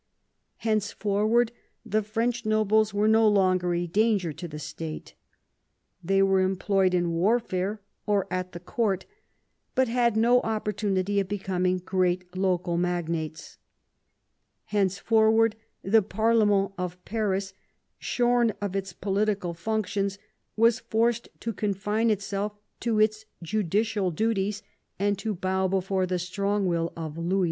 Henceforward the French nobles were no longer a danger to the State. They were employed in warfare or at the court, but had no opportunity of becoming great local magnates. Henceforward the parlemeni of Paris, shorn of its political functions, was forced to confine itself to its judicial duties, and to bow before the strong will of Louis XIV.